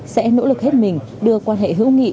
sẽ nỗ lực hết mình đưa quan hệ hữu nghị